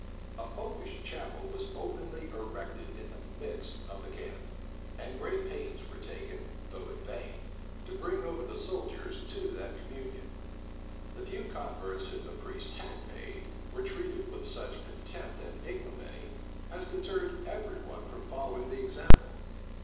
A Popish chapel was openly erected in the midst of the camp; and great pains were taken, though in vain, to bring over the soldiers to that communion. The few converts whom the priests had made, were treated with such contempt and ignominy, as deterred every one from following the example.